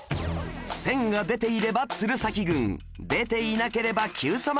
線が出ていれば鶴崎軍出ていなければ Ｑ さま！！